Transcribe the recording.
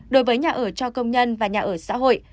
đối với nhà ở cho công nhân và nhà ở xã hội